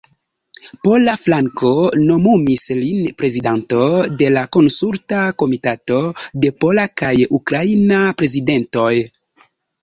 Pola flanko nomumis lin prezidanto de la Konsulta Komitato de Pola kaj Ukraina Prezidentoj.